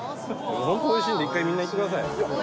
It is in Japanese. おいしいんで、みんな行ってください。